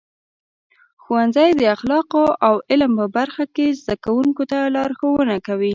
ښوونځي د اخلاقو او علم په برخه کې زده کوونکو ته لارښونه ورکوي.